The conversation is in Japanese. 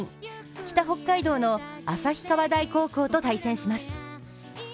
北北海道の旭川大高校と対戦します。